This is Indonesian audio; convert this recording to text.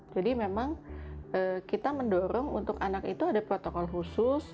memang kita mendorong untuk anak itu ada protokol khusus